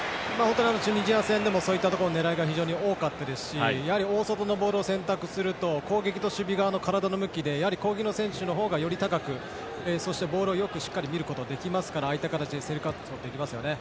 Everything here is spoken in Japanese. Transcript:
チュニジア戦でもそういった狙いが非常に多かったですしやはり大外のボールを選択すると攻撃と守備側の体の向きで攻撃の選手の方がより高くそして、ボールをよくしっかり見ることができますからああいった形で競り勝つことができますよね。